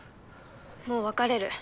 もう別れる。